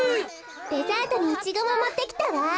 デザートにイチゴももってきたわ。